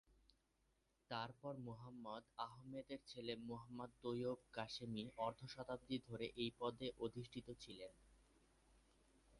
তার পর মুহাম্মদ আহমদের ছেলে মুহাম্মদ তৈয়ব কাসেমি অর্ধ শতাব্দী ধরে এই পদে অধিষ্ঠিত ছিলেন।